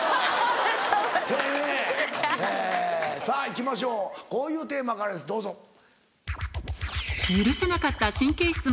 さぁ行きましょうこういうテーマからですどうぞ。